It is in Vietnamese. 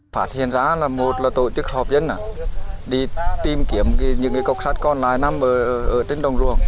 phát hiện ra là một là tổ chức họp dân đi tìm kiếm những cọc sắt còn lại nằm ở trên đồng ruộng